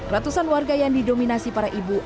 ratusan warga yang didominasi para ibu